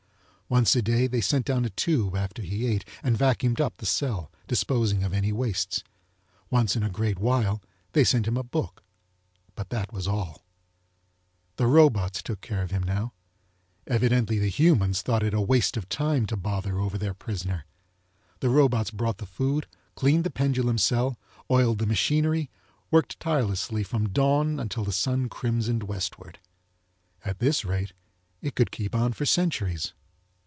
Once a day they sent down a tube after he ate and vacuumed up the cell, disposing of any wastes. Once in a great while they sent him a book, but that was all. (CONT:) The robots took care of him now. Evidently the humans thot it a waste of time to bother over their prisoner. The robots brot the food, cleaned the pendulum cell, oiled the machinery, worked tirelessly from dawn until the sun crimsoned westward. At this rate it could keep on for centuries.